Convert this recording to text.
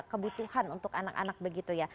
kebutuhan untuk anak anak begitu ya